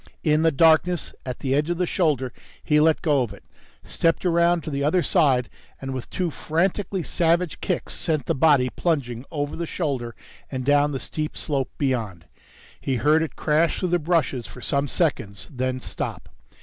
In the darkness at the edge of the shoulder, he let go of it, stepped around to the other side and with two frantically savage kicks sent the body plunging over the shoulder and down the steep slope beyond. He heard it crash through the bushes for some seconds, then stop.